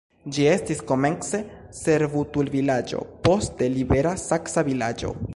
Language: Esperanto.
Ĝi estis komence servutulvilaĝo, poste libera saksa vilaĝo.